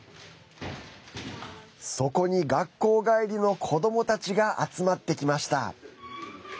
そこに学校帰りの子どもたちが集まってきました。